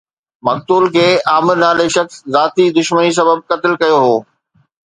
مقتول کي عامر نالي شخص ذاتي دشمني سبب قتل ڪيو هو